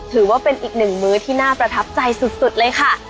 ถือว่าเป็นอีกหนึ่งมื้อที่น่าประทับใจสุดเลยค่ะ